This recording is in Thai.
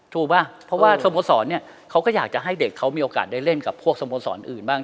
ป่ะเพราะว่าสโมสรเนี่ยเขาก็อยากจะให้เด็กเขามีโอกาสได้เล่นกับพวกสโมสรอื่นบ้าง